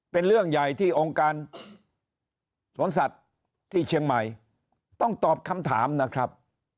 เป็นเรื่องใหญ่ที่องค์การสวนสัตว์ที่เชียงใหม่ต้องตอบคำถามนะครับ